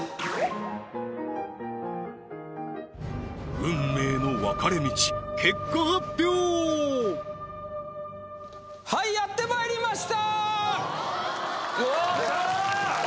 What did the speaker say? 運命の分かれ道はいやってまいりました